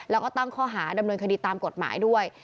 แล้วก็ตั้งข้อหาดำเนินคดีตามกฎหมายด้วย